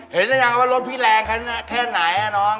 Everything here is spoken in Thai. เห็นตัดสินใจว่ารถพี่แรงแค่ไหนน่ะน้อง